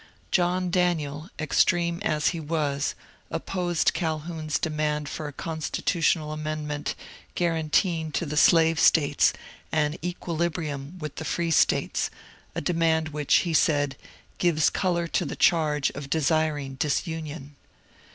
John Daniel, extreme as he was, opposed Calhoun's demand for a constitutional amendment guaranteeing to the Slave States an ^* equilibrium " with the Free States, a de mand which, he said, ^^ gives colour to the charge of desiring disunion."